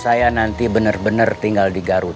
saya nanti bener bener tinggal di garut